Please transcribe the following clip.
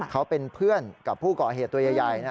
เขาเป็นเพื่อนกับผู้ก่อเหตุตัวใหญ่นะ